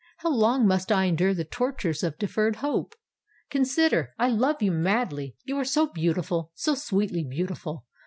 —how long must I endure the tortures of deferred hope? Consider—I love you madly: you are so beautiful—so sweetly beautiful!